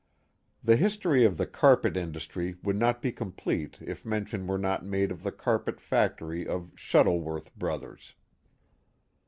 The history of the carpet industry would not be complete if mention were not made of the carpet factory of Shuttle worth Brothers.